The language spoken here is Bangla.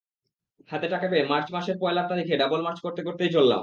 হাতে টাকা পেয়ে মার্চ মাসের পয়লা তারিখে ডাবল মার্চ করতে করতেই চললাম।